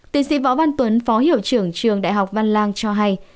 tiến sĩ võ văn tuấn phó hiệu trưởng trường đại học văn lang cho hay